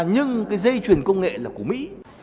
nhưng cái dây chuyền công nghệ là của mỹ